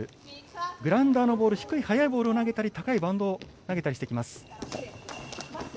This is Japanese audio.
グラウンダーのボール高いボールを投げたり高いバウンドを投げたりしてきます。